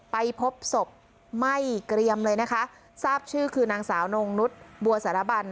ไปพบศพไหม้เกรียมเลยนะคะทราบชื่อคือนางสาวนงนุษย์บัวสารบัน